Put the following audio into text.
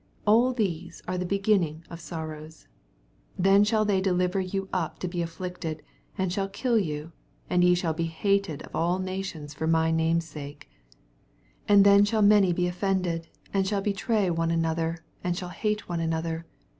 8 All these are the beginning of sorrows. 9 Then shall thev deliver you up to be afflicted, and shall kill you : and ye shall be hatei of all nations for my name^s sake. 10 And then shall many be offended, and eh^l betray one another, ana shall hate one another.